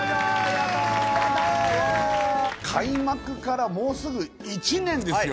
やったーわー開幕からもうすぐ１年ですよ